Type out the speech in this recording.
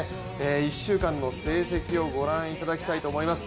１週間の成績をご覧いただきたいと思います。